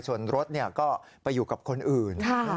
ส่วนรถก็ไปอยู่กับคนอื่น